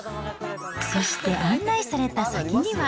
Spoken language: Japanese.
そして案内された先には。